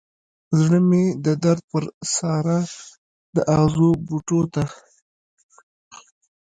زړه مې د درد پر سارا د اغزو بوټو ته